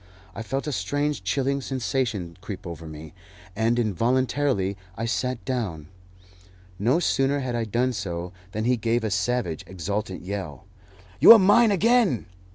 I felt a strange chilling sensation creep over me, and involuntarily I sat down. No sooner had I done so than he gave a savage, exultant yell. "You are mine again!"